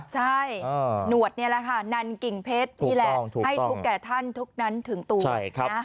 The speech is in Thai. ใช่หนวดนี่แหละค่ะนันกิ่งเพชรนี่แหละให้ทุกแก่ท่านทุกนั้นถึงตัวนะ